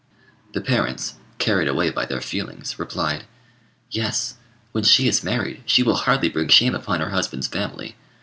The parents, carried away by their feelings, replied "Yes; when she is married, she will hardly bring shame upon her husband's family.